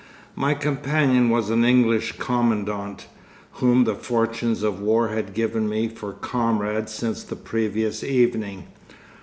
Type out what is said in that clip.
My companion was an English commandant, whom the fortunes of war had given me for comrade since the previous evening.